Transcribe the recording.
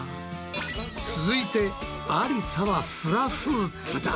続いてありさはフラフープだ。